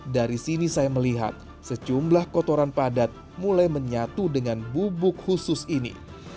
dari sini saya melihat sejumlah kotoran padat mulai menyatu dengan bubuk khusus ini